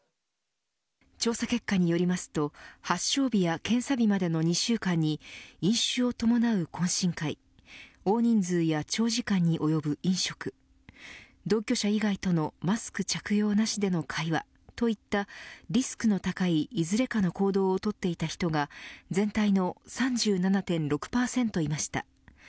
調査結果によりますと発症日や検査日までの２週間に飲酒を伴う懇親会大人数や長時間に及ぶ飲食同居者以外とのマスク着用なしでの会話といったリスクの高いいずれかの行動をとっていた人が全体の３７．６％いました。